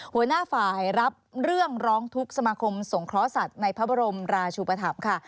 หัวหน้าฝ่ายรับเรื่องร้องทุกข์สมาคมสงเคราะห์สัตว์ในพระบรมราชุปธรรมค่ะ